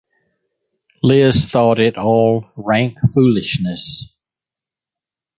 Liz thought it all rank foolishness.